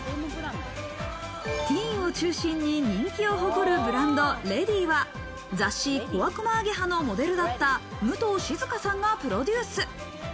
ティーンを中心に人気を誇るブランドＲａｄｙは、雑誌『小悪魔Ａｇｅｈａ』のモデルだった武藤静香さんがプロデュース。